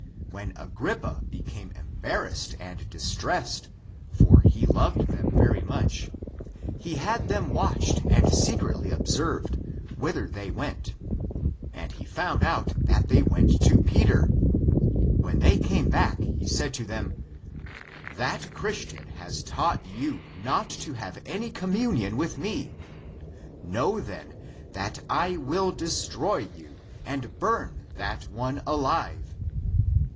^^ Lat. : and becoming angry. ACTS OF PETER 1 13 them very much — he had them watched and se cretly observed, whither they went, and he found out that they went to Peter. When they came (back),®2 j^g S3i(^ | Q | hem, "that Christian®^ has taught you not to have any communion with me. Know, then, that I will destroy you and burn that one alive."